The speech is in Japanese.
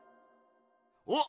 おっ！